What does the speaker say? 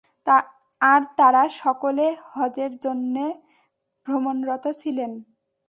আর তারা সকলে হজের জন্যে ভ্রমণরত ছিলেন।